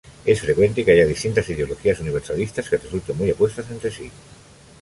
Es frecuente que haya distintas ideologías universalistas que resulten muy opuestas entre sí.